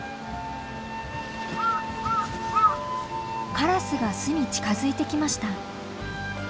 カラスが巣に近づいてきました。